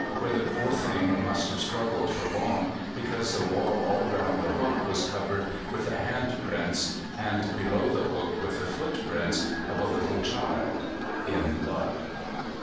There the poor thing must have struggled for long, because the wall all round the hook was covered with the hand prints, and below the hook with the footprints, of a little child in blood.